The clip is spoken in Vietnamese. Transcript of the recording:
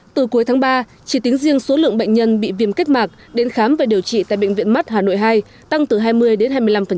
từ cuối tháng ba chỉ tính riêng số lượng bệnh nhân bị viêm kết mạc đến khám và điều trị tại bệnh viện mắt hà nội hai tăng từ hai mươi đến hai mươi năm